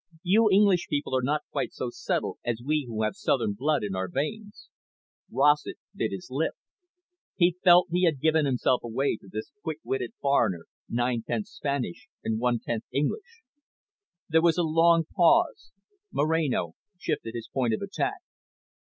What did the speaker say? You English people are not quite so subtle as we who have southern blood in our veins." Rossett bit his lip. He felt he had given himself away to this quick witted foreigner, nine tenths Spanish and one tenth English. There was a long pause. Moreno shifted his point of attack.